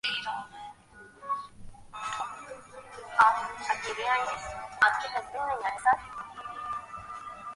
আপনার বাবার লেখার টেবিলে আমার একটা নোট পাওয়া গেছে।